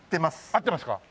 合ってますか？